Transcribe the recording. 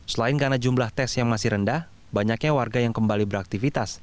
selain karena jumlah tes yang masih rendah banyaknya warga yang kembali beraktivitas